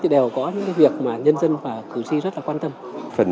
đều có những việc mà nhân dân và cử tri rất là quan tâm